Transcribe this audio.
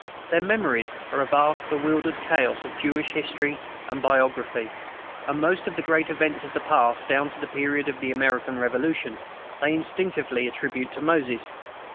Their memories are a vast bewildered chaos of Jewish history and biography; and most of the great events of the past, down to the period of the American Revolution, they instinctively attribute to Moses.